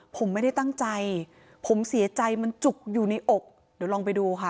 ผมไม่ได้ตั้งใจผมเสียใจมันจุกอยู่ในอกเดี๋ยวลองไปดูค่ะ